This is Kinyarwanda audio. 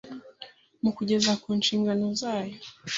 mu kugeza ku nshingano zayo